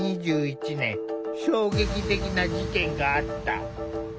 衝撃的な事件があった。